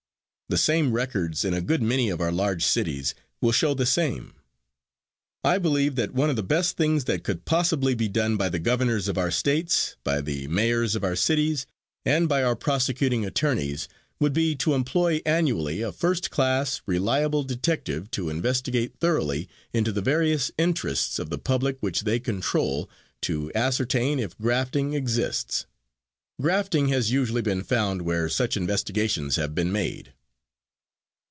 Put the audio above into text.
The same records, in a good many of our large cities, will show the same. I believe that one of the best things that could possibly be done by the governors of our states, by the mayors of our cities, and by our prosecuting attorneys, would be to employ annually a first class, reliable detective to investigate thoroughly into the various interests of the public which they control to ascertain if grafting exists. Grafting has usually been found where such investigations have been made.